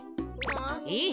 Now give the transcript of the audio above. えっ？